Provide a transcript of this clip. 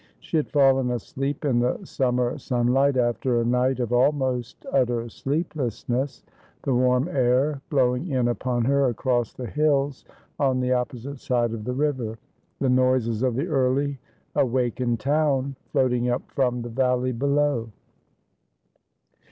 She had fallen asleep in the summer sun light after a night of almost utter sleeplessness ; the warm air blowing in upon her across the hills on the opposite side of the river ; the noises of the early awakened town floating up from the valley below.